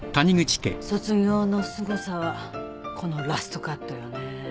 『卒業』のすごさはこのラストカットよね。